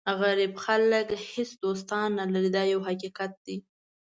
غریب خلک هېڅ دوستان نه لري دا یو حقیقت دی.